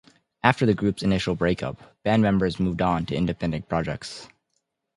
After the group's initial break-up, band members moved on to independent projects.